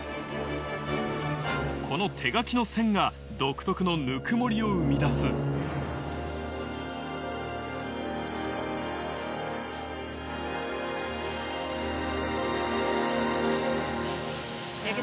この手書きの線が独特のぬくもりを生み出すねぇ。